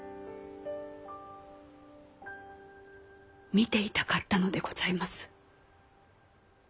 見ていたかったのでございます。